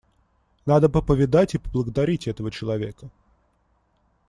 Надо бы повидать и поблагодарить этого человека.